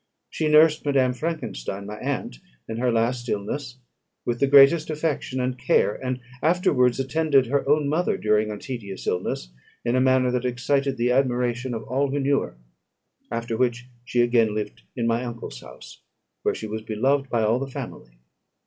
She nursed Madame Frankenstein, my aunt, in her last illness, with the greatest affection and care; and afterwards attended her own mother during a tedious illness, in a manner that excited the admiration of all who knew her; after which she again lived in my uncle's house, where she was beloved by all the family.